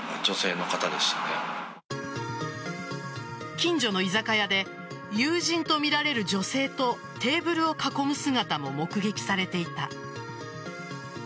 近所の居酒屋で友人とみられる女性とテーブルを囲む姿も目撃されていた。